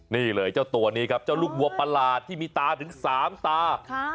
นี่เลยเจ้าตัวนี้ครับเจ้าลูกวัวประหลาดที่มีตาถึง๓ตา